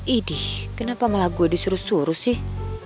idi kenapa malah gue disuruh suruh sih